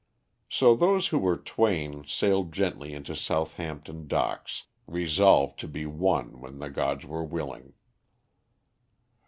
So those who were twain sailed gently into Southampton Docks, resolved to be one when the gods were willing.